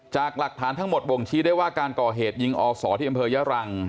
จากหลักฐานทั้งหมดบ่งชี้ได้ว่าการก่อเหตุยิงอศที่อำเภอยะรัง